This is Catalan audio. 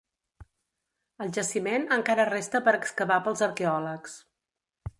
El jaciment encara resta per excavar pels arqueòlegs.